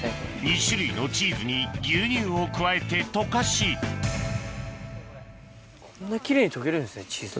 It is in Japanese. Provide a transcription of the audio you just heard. ２種類のチーズに牛乳を加えて溶かしこんな奇麗に溶けるんですねチーズ。